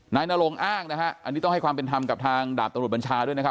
นายนรงอ้างนะฮะอันนี้ต้องให้ความเป็นธรรมกับทางดาบตำรวจบัญชาด้วยนะครับ